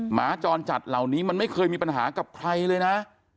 หมาจรจัดเหล่านี้มันไม่เคยมีปัญหากับใครเลยนะ